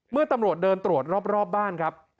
ตำรวจเดินตรวจรอบบ้านครับ